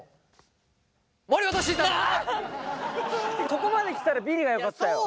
ここまで来たらビリがよかったよ。